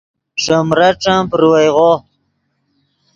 ݰے مریݯن پروئیغو